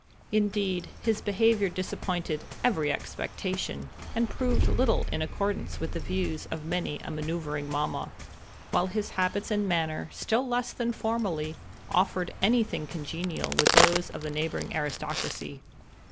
Indeed, his behavior disappointed every expectation, and proved little in accordance with the views of many a manoeuvering mamma; while his habits and manner, still less than formerly, offered any thing congenial with those of the neighboring aristocracy.